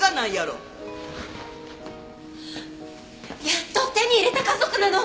やっと手に入れた家族なの！